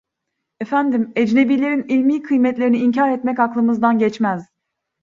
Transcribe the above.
Efendim, ecnebilerin ilmi kıymetlerini inkar etmek aklımızdan geçmez.